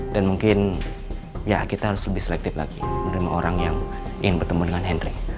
dan mungkin ya kita harus lebih selektif lagi menerima orang yang ingin bertemu dengan hendry